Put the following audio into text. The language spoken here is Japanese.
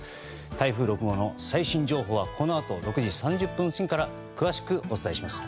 台風６号の最新情報はこのあと６時３０分過ぎから詳しくお伝えします。